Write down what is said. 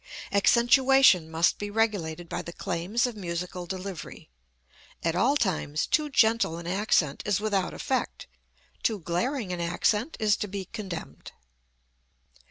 Accentuation must be regulated by the claims of musical delivery. At all times too gentle an accent is without effect, too glaring an accent is to be condemned.